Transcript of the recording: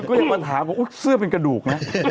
จะไม่คงเป็นกระดุก